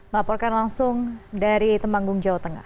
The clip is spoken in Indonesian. melaporkan langsung dari temanggung jawa tengah